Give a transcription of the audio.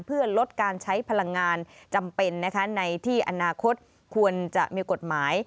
เพื่อลดการใช้พลังงานจำเป็นนะคะในที่อนาคตควรจะมีกฎหมาย